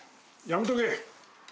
やめとけ。